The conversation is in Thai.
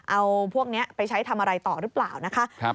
เอาพวกนี้ไปใช้ทำอะไรต่อหรือเปล่านะคะ